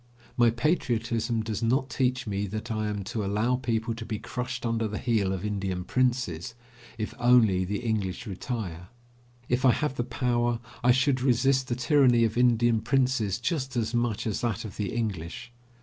My patriotism does not teach me that I am to allow people to be crushed under the heel of Indian princes, if only the English retire. If I have the power, I should resist the tyranny of Indian princes just as much as that of the English.